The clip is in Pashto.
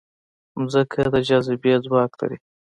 مځکه د جاذبې ځواک لري.